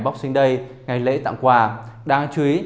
boxing day ngày lễ tặng quà đáng chú ý